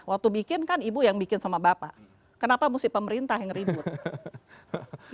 waktu bikin kan ibu yang bikin sama bapak kenapa mesti pemerintah yang ribut